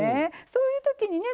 そういうときにね